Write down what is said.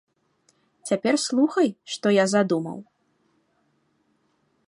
Цяпер слухай, што я задумаў.